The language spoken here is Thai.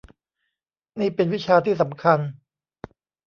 นี่เป็นวิชาที่สำคัญ